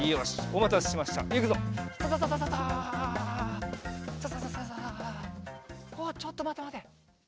おっちょっとまてまて。